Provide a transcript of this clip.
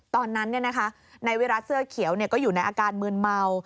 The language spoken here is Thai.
ตอนนั้นนายวิรัติเสื้อเขียวก็อยู่ในอาการมืนเมา